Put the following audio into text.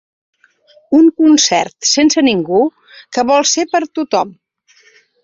Un concert sense ningú que vol ser per a tothom.